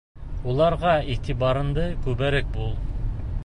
Уларға иғтибарыңды күберәк бүл.